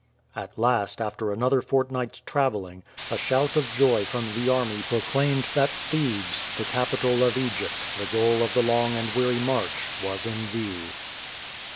At last, after another fortnight's traveling, a shout of joy from the army proclaimed that Thebes, the capital of Egypt, the goal of the long and weary march was in view.